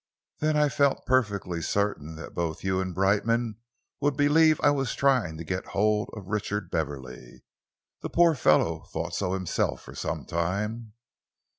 Then I felt perfectly certain that both you and Brightman would believe I was trying to get hold of Richard Beverley. The poor fellow thought so himself for some time."